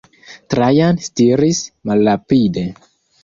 Trajan stiris malrapide.